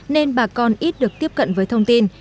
nên bà con ít được tiếp cận với thông tin